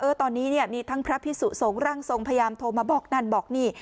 ตอนนี้เนี่ยมีทั้งพระพิสุสงฆ์ร่างทรงพยายามโทรมาบอกนั่นบอกนี่